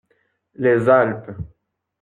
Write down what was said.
Les Alpes.